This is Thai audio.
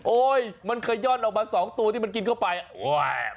โอ้โฮมันเคยย่อนออกมา๒ตัวที่มันกินเข้าไป